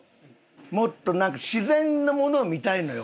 もっとなんか自然なものを見たいのよ。